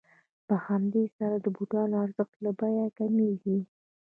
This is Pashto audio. په همدې سره د بوټانو ارزښت له بیې کمېږي